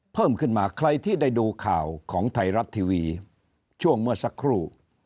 เพิ่มขึ้นมาใครที่ได้ดูข่าวของไทยรัฐทีวีช่วงเมื่อสักครู่